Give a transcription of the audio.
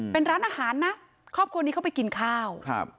เป็นร้านอาหารนะครอบครัวนี้เข้าไปกินข้าวครับ